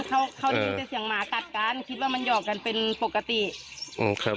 เขาเขาได้ยินแต่เสียงหมากัดกันคิดว่ามันหยอกกันเป็นปกติอืมครับ